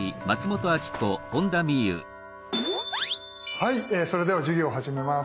はいそれでは授業を始めます。